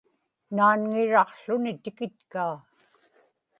naanŋiraqłuni tikitkaa